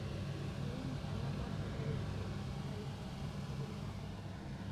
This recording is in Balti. تا ینگ کھیانگ لہ مو تھوبا یودپو اشکال اِن، تھوبی مین